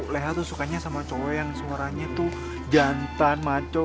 leha tuh sukanya sama coweng suaranya tuh jantan maco